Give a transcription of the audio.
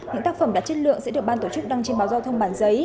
những tác phẩm đạt chất lượng sẽ được ban tổ chức đăng trên báo giao thông bản giấy